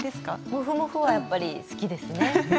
もふもふはやっぱり好きですね。